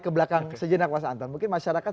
ke belakang sejenak mas anton mungkin masyarakat